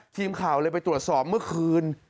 ทีมข่าวเลยไปตรวจสอบเมื่อคืน